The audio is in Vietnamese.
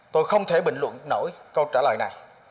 tôi không thể bình luận nổi câu trả lời này